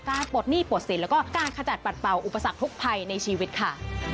ปลดหนี้ปลดสินแล้วก็การขจัดปัดเป่าอุปสรรคทุกภัยในชีวิตค่ะ